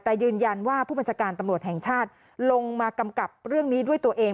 แต่ยืนยันว่าผู้บัญชาการตำรวจแห่งชาติลงมากำกับเรื่องนี้ด้วยตัวเอง